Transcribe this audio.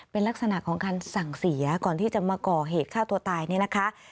เป็นลักษณะของการสั่งเสียก่อนที่จะมาก่อเหตุฆ่าตัวตายนี่นะคะ